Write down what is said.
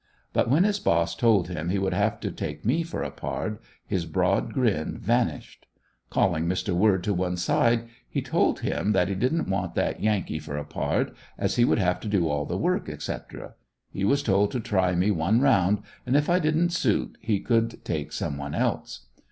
But when his boss told him he would have to take me for a "pard" his broad grin vanished. Calling Mr. Word to one side he told him that he didn't want that yankee for a "pard," as he would have to do all the work, etc. He was told to try me one round and if I didn't suit he could take some one else.